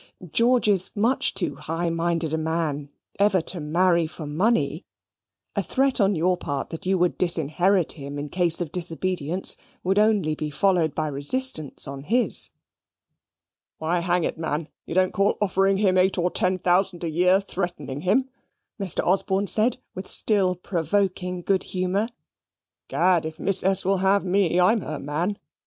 George is much too high minded a man ever to marry for money. A threat on your part that you would disinherit him in case of disobedience would only be followed by resistance on his." "Why, hang it, man, you don't call offering him eight or ten thousand a year threatening him?" Mr. Osborne said, with still provoking good humour. "'Gad, if Miss S. will have me, I'm her man.